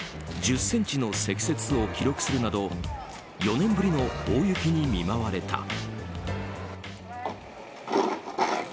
１０ｃｍの積雪を記録するなど４年ぶりの大雪に見舞われた。